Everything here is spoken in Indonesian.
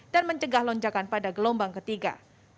dan mencegah lonjakan pada gelombang ketiga